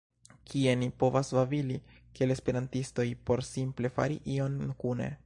kie ni povas babili kiel esperantistoj por simple fari ion kune.